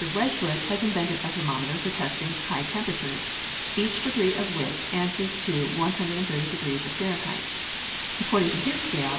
Wedgwood has invented a thermometer for testing high temperatures, each degree of which answers to l30 degrees of Fahrenheit.